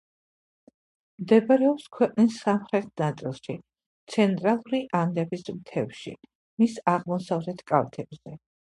მდებარეობს ქვეყნის სამხრეთ ნაწილში, ცენტრალური ანდების მთებში, მის აღმოსავლეთ კალთებზე.